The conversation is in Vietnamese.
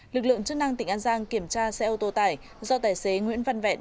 lực lượng chức năng tỉnh an giang kiểm tra xe ô tô tải do tài xế nguyễn văn vẹn